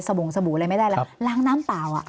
บงสบู่อะไรไม่ได้แล้วล้างน้ำเปล่าอ่ะ